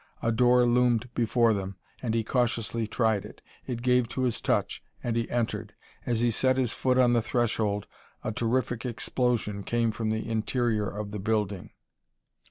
A door loomed before them and he cautiously tried it. It gave to his touch and he entered. As he set his foot on the threshold a terrific explosion came from the interior of the building.